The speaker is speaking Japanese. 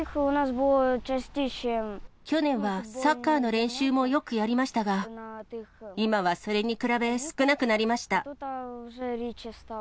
去年はサッカーの練習もよくやりましたが、今はそれに比べ少なくなりました。